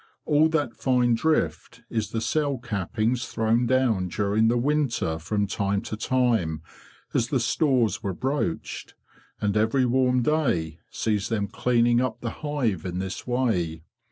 All that fine drift is the cell cappings thrown down during the winter from time to time as the stores were broached, and every warm day sees them cleaning up the hive in this way.